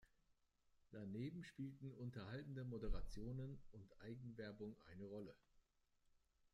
Daneben spielten unterhaltende Moderationen und Eigenwerbung eine Rolle.